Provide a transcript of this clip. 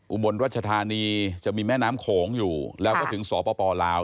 อุบลรัชธานีจะมีแม่น้ำโขงอยู่แล้วก็ถึงสปลาว